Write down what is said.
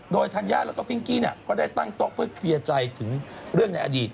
โดยธัญญาแล้วก็ฟิงกี้ก็ได้ตั้งโต๊ะเพื่อเคลียร์ใจถึงเรื่องในอดีต